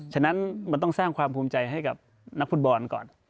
ฉะนั้นมันต้องสร้างความภูมิใจให้กับนักฟุตบอลก่อน